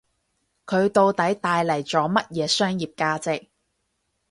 佢到底帶嚟咗乜嘢商業價值